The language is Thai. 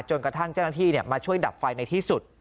จนกระทั่งเจ้าหน้าที่มาช่วยดับไฟในที่สุด